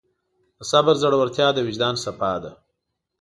د صبر زړورتیا د وجدان صفا ده.